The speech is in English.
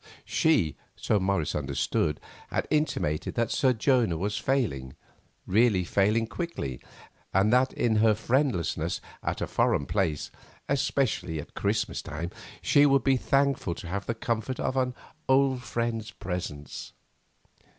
She, so Morris understood, had intimated that Sir Jonah was failing, really failing quickly, and that in her friendlessness at a foreign place, especially at Christmas time, she would be thankful to have the comfort of an old friend's presence.